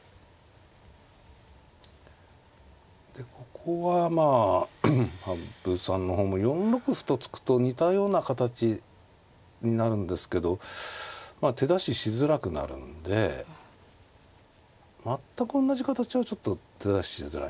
ここはまあ羽生さんの方も４六歩と突くと似たような形になるんですけど手出ししづらくなるんで全くおんなじ形はちょっと手出ししづらいんですよね。